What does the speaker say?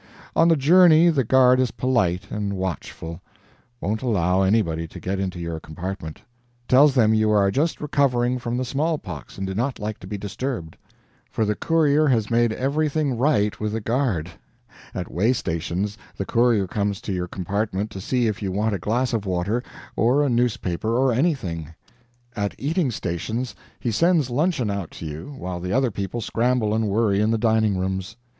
On the journey the guard is polite and watchful won't allow anybody to get into your compartment tells them you are just recovering from the small pox and do not like to be disturbed. For the courier has made everything right with the guard. At way stations the courier comes to your compartment to see if you want a glass of water, or a newspaper, or anything; at eating stations he sends luncheon out to you, while the other people scramble and worry in the dining rooms.